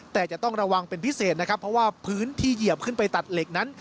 แต่จะต้องระวังเป็นพิเศษนะครับเพราะว่าพื้นที่เหยียบขึ้นไปตัดเหล็กนั้น